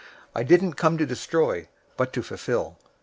I didn't come to destroy, but to fulfill.